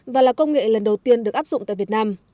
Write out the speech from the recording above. và là công nghệ lần đầu tiên được áp dụng tại việt nam